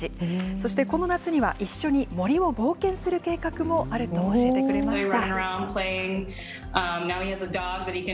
そしてこの夏には、一緒に森を冒険する計画もあると教えてくれました。